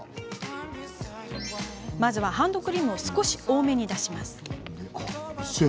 まずは、ハンドクリームを少し多めに出します。